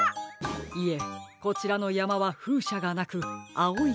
いえこちらのやまはふうしゃがなくあおい